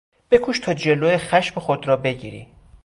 بکوش تا جلو خشم خود را بگیری!